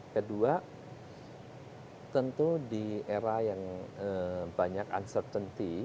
kedua tentu di era yang banyak uncertainty